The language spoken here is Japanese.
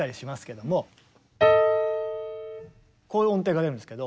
こういう音程が出るんですけど。